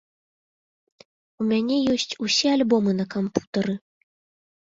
У мяне ёсць усе альбомы на кампутары.